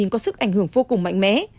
có sức ảnh hưởng vô cùng mạnh mẽ